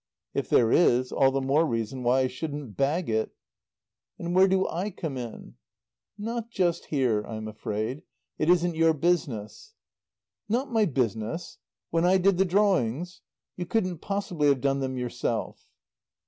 "If there is, all the more reason why I shouldn't bag it." "And where do I come in?" "Not just here, I'm afraid. It isn't your business." "Not my business? When I did the drawings? You couldn't possibly have done them yourself."